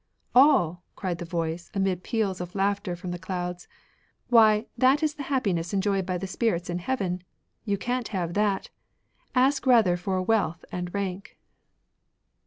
'' All !" cried the voice, amid peals of laughter from the clouds. " Why, that is the happiness enjoyed by the spirits in heaven ; you can't have that. Ask rather for wealth and rank."